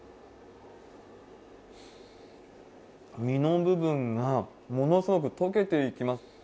身の部分がものすごく溶けていきます。